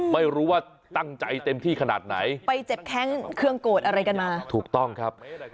ไม่รู้ว่าตั้งใจเต็มที่ขนาดไหนไปเจ็บแค้นเครื่องโกรธอะไรกันมาถูกต้องครับ